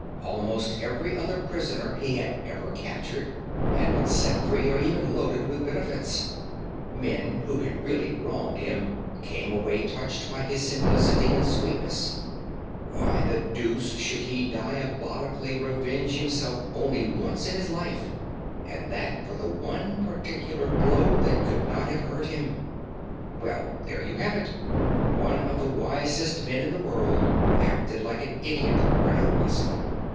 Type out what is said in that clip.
Almost every other prisoner he had ever captured had been set free or even loaded with benefits. Men who had really wronged him came away touched by his simplicity and sweetness. Why the deuce should he diabolically revenge himself only once in his life; and that for the one particular blow that could not have hurt him? Well, there you have it. One of the wisest men in the world acted like an idiot for no reason.